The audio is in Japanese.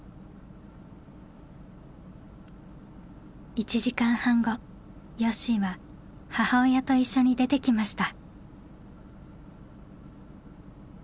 １時間半後よっしーは母親と一緒に出てきました。